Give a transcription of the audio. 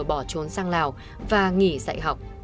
bỏ trốn sang lào và nghỉ dạy học